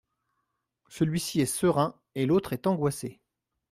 Celui-ci est serein et l’autre est angoissée.